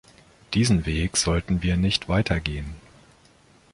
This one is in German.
Diesen Weg sollten wir nicht weitergehen.